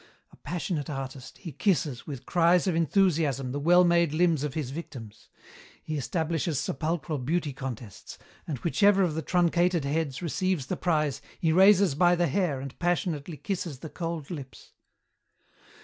A passionate artist, he kisses, with cries of enthusiasm, the well made limbs of his victims. He establishes sepulchral beauty contests, and whichever of the truncated heads receives the prize he raises by the hair and passionately kisses the cold lips.